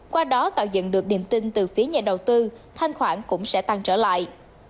qua đó tạo dựng được niềm tin từ phía nhà đầu tư thanh khoản cũng sẽ tăng trở lại